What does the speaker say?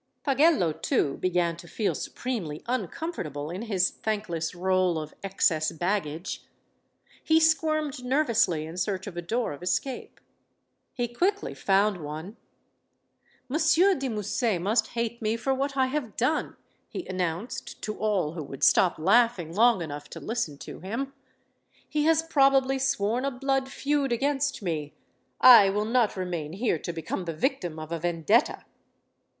Pagello, too, began to feel supremely uncomfortable in his thankless role of excess baggage. He squirmed nervously in search of a door of escape. He quickly found one. "Monsieur de Musset must hate me for what I have done," he announced to all who would stop laughing long enough to listen to him. "He has probably sworn a blood feud against me. I will not remain here to become the victim of a vendetta."